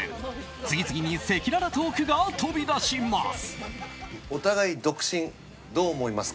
次々に赤裸々トークが飛び出します。